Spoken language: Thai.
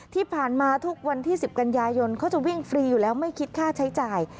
ที่ผ่านมาทุกวันที่๑๐กันยายนเขาจะวิ่งฟรีอยู่แล้วไม่คิดค่าใช้จ่าย